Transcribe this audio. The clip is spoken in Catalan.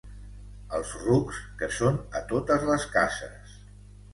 Els rucs que són a totes les cases.